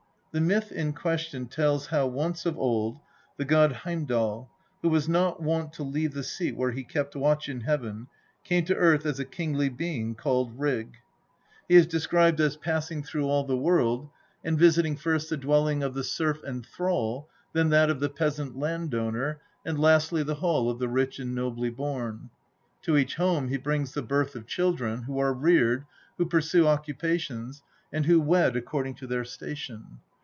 The myth in question tells how once of old the god Heimdal, who was not wont to leave the seat where he kept watch in heaven, came to earth as a kingly being called Rig. He is described as passing INTRODUCTION. U through ail the world, and visiting first the dwelling of the serf and thrall, then that of the peasant landowner, and lastly the hall of the rich and nobly born. To each home he brings the birth of children, who are reared, who pursue occupations, and who wed according to their station.